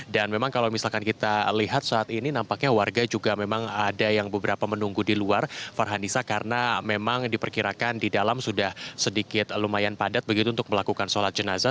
dan memang kalau misalkan kita lihat saat ini nampaknya warga juga memang ada yang beberapa menunggu di luar farhan nisa karena memang diperkirakan di dalam sudah sedikit lumayan padat begitu untuk melakukan sholat jenazah